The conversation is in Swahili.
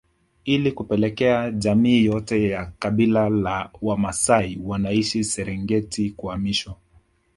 Ili kupelekea jamii yote ya kabila la Wamasai wanaishi Serengeti kuhamishwa